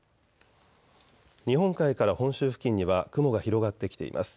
日本海から本州付近には雲が広がってきています。